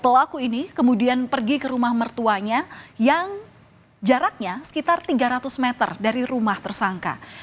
pelaku ini kemudian pergi ke rumah mertuanya yang jaraknya sekitar tiga ratus meter dari rumah tersangka